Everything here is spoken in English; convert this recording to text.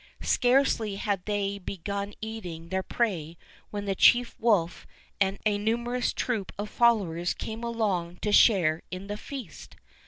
Scarcely had they be gun eating their prey when the chief wolf and a numerous troop of followers came along to share in the feast.